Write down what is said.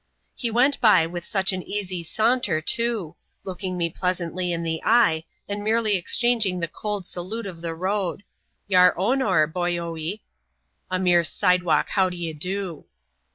He went by with such an easy saunter too, looking me pleasanttf in the eye, and merely exchanging the cold salute of the road :—^ Yar onor, boyoee," a mere side walk how d ye do.